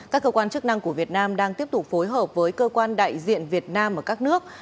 các cơ quan chức năng của việt nam đang tiếp tục phối hợp với cơ quan đại diện việt nam ở các nước